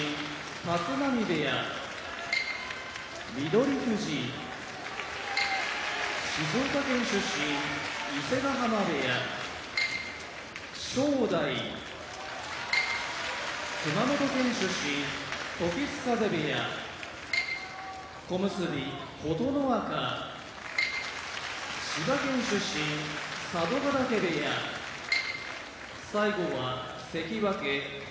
立浪部屋翠富士静岡県出身伊勢ヶ濱部屋正代熊本県出身時津風部屋小結・琴ノ若千葉県出身佐渡ヶ嶽部屋関脇豊昇